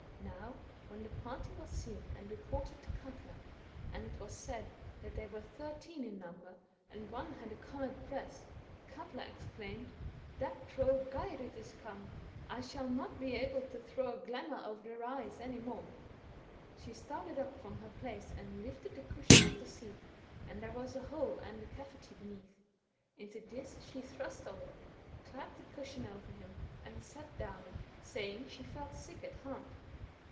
Now when the party was seen and reported to Katla, and it was said that they were thirteen in number, and one had on a coloured dress, Katla exclaimed, * That troll Geirrid is come ! I shall not be able to throw a THE SCANDINAVIAN WlSRB WOLF. 83 glamour over their eyes any more.* She started up from her place and lifted the cushion oif the seat^ and there was a hole and a cavity heneath: into this she thrust Odd, clapped the cushion over him, and sat down, sajing she felt sick at heart.